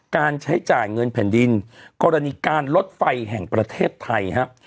การใช้จ่ายเงินแผ่นดินกรณีการลดไฟแห่งประเทศไทยครับ